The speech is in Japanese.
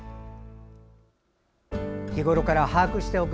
日ごろから把握しておく。